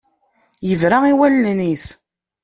Yebra i wallen-is.